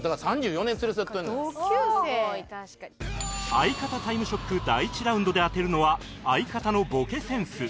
相方タイムショック第１ラウンドで当てるのは相方のボケセンス